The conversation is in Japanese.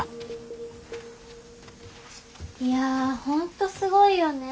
いやホントすごいよね。